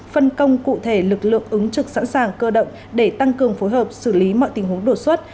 phân công cụ thể lực lượng ứng trực sẵn sàng cơ động để tăng cường phối hợp xử lý mọi tình huống đột xuất